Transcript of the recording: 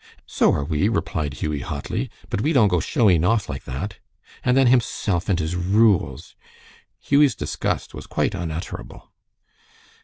"So are we!" replied Hughie, hotly; "but we don't go shoween off like that! And then himself and his rules!" Hughie's disgust was quite unutterable.